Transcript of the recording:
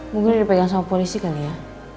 mungkin dipegang sama polisi kali ya